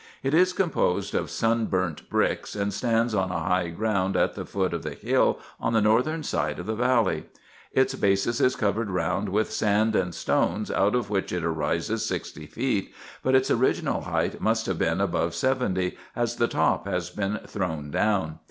It is composed of sun burnt bricks, and stands on a high ground at the foot of the hill on the northern side of the valley. Its basis is covered round with sand and stones, out of which it rises sixty feet, but its original height must have been above seventy, as the top has been thrown down.